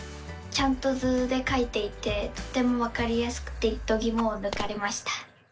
ちゃんと図でかいていてとてもわかりやすくてどぎもをぬかれました！